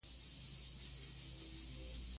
او بله حيصه به ئي بيرته په همدغه باغ لګوله!!